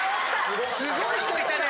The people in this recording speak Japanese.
すごい人いたね。